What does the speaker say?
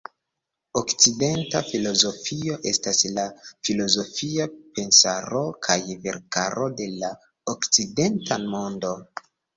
Okcidenta filozofio estas la filozofia pensaro kaj verkaro de la okcidenta mondo.